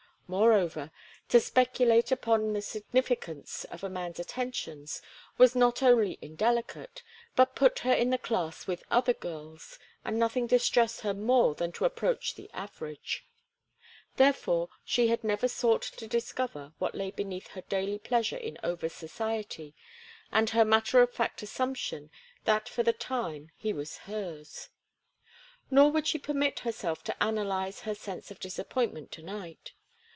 Moreover, to speculate upon the significance of a man's attentions was not only indelicate but put her in the class with other girls, and nothing distressed her more than to approach the average. Therefore, had she never sought to discover what lay beneath her daily pleasure in Over's society and her matter of fact assumption that for the time he was hers. Nor would she permit herself to analyze her sense of disappointment to night.